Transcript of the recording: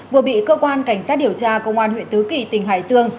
vừa bị cơ quan cảnh sát điều tra công an huyện tứ kỳ tỉnh hải dương